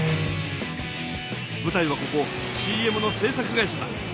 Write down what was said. ぶたいはここＣＭの制作会社だ。